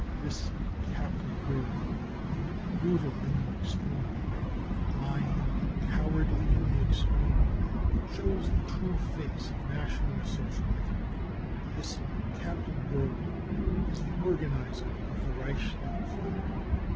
This Captain Goering, brutal in the extreme, lying and cowardly in the extreme, shows the true face of National Socialism. This Captain Goering was the organiser of the Reichstag fire.